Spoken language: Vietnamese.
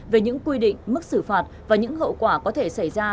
về những quy định mức xử phạt và những hậu quả có thể xảy ra